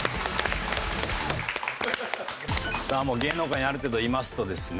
さあもう芸能界にある程度いますとですね